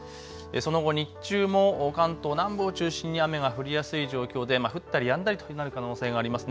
その後、日中も関東南部を中心に雨が降りやすい状況で降ったりやんだりとなる可能性があります。